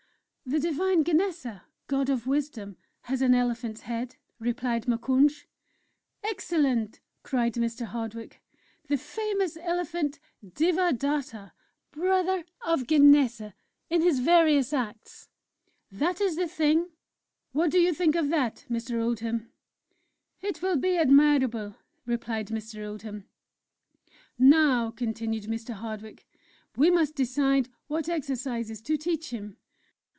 "The Divine Ganesa, God of Wisdom, has an elephant's head," replied Moukounj. "Excellent!" cried Mr. Hardwick: "'The Famous Elephant Devadatta, Brother of Ganesa, in his various Acts' that is the thing! What do you think of that, Mr. Oldham?" "It will be admirable," replied Mr. Oldham. "Now," continued Mr. Hardwick, "we must decide what exercises to teach him.